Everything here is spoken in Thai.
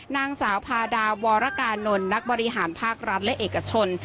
นางสาวพาดาวรกานนท์นักบริหารภาครัฐและเอกชน